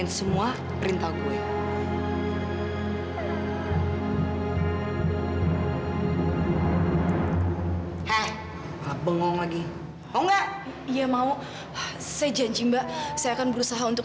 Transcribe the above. tapi dia bisa sembuhkan dok